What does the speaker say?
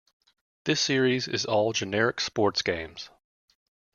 This series is all generic sports games.